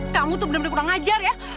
kamu tuh benar benar kurang ajar ya